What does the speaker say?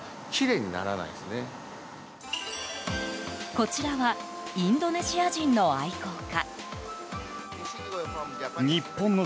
こちらはインドネシア人の愛好家。